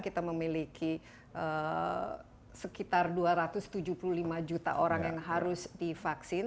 kita memiliki sekitar dua ratus tujuh puluh lima juta orang yang harus divaksin